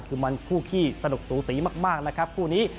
คือมันคู่ขี้สนุกสูสีมากนะครับคู่นี้